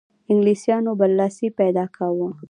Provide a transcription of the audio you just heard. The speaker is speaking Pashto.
انګلیسیانو برلاسی پیدا کاوه.